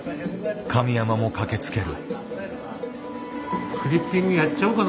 上山も駆けつける。